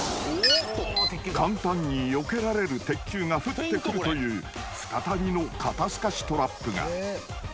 ［簡単によけられる鉄球が降ってくるという再びの肩透かしトラップが］